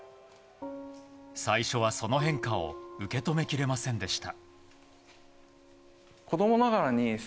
最初はその変化を受け止めきれませんでした。